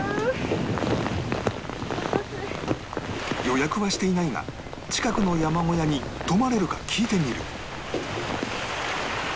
予約はしていないが近くの山小屋に泊まれるか聞いてみる